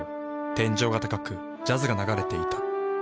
天井が高くジャズが流れていた。